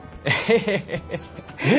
えっ！？